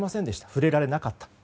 触れられなかった。